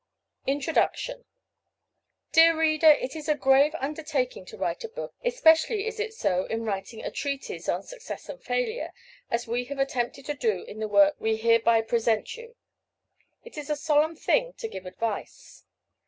INTRODUCTION. Dear reader, it is a grave undertaking to write a book, especially is it so in writing a treatise on success and failure, as we have attempted to do in the work we hereby present you. It is a solemn thing to give advice.